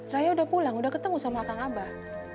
raya udah pulang udah ketemu sama kang abah